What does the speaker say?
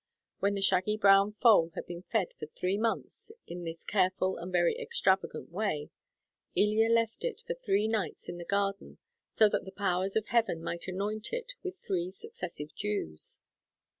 When the shaggy brown foal had been fed for three months in this careful and very extravagant way, Ilya left it for three nights in the garden so that the Powers of Heaven might anoint it with three successive dews.